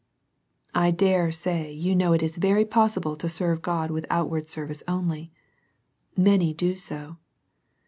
I dare say you know it is very possible to serve God with outward service only. Many do so.